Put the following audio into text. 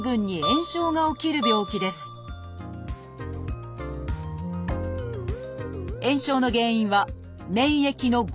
炎症の原因は免疫の誤作動。